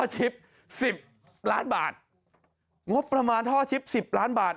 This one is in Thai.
สุดยอด